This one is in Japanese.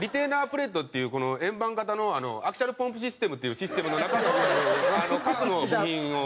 プレートっていう円盤型のアキシャルポンプシステムっていうシステムの中の核の部品を。